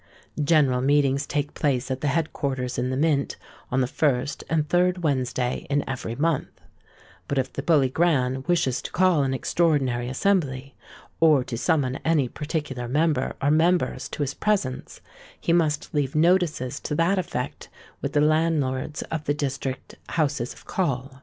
General meetings take place at the head quarters in the Mint on the first and third Wednesday in every month; but if the Bully Grand wishes to call an extraordinary assembly, or to summon any particular member or members to his presence, he must leave notices to that effect with the landlords of the district houses of call.